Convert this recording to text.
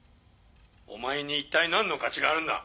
お前に一体何の価値があるんだ？